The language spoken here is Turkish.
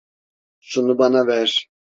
Şunu bana ver.